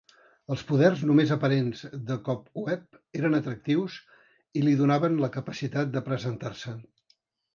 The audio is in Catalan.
Els poders només aparents de Cobweb eren atractius i li donaven la capacitat de presentar-se.